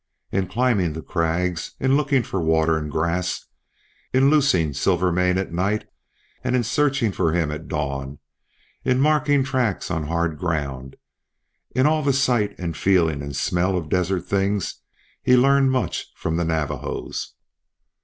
In climbing the crags, in looking for water and grass, in loosing Silvermane at night and searching for him at dawn, in marking tracks on hard ground, in all the sight and feeling and smell of desert things he learned much from the Navajos.